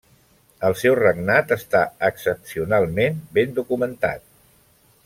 El seu regnat està excepcionalment ben documentat.